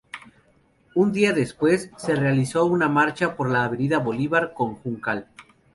Un día despues, se realizó una marcha por la avenida Bolivar con Juncal.